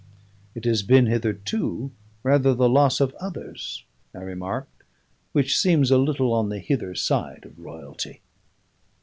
"It has been hitherto rather the loss of others," I remarked, "which seems a little on the hither side of royalty."